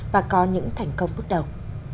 và có những thành công bước đầu